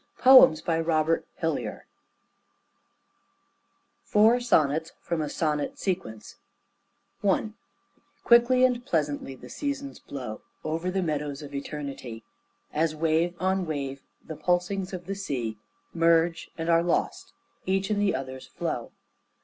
ROBERT HILLYER FOUR SONNETS FROM A SONNET SEQUENCE I Quickly and pleasantly the seasons blow Over the meadows of eternity, As wave on wave the pulsings of the sea Merge and are lost, each in the other's flow.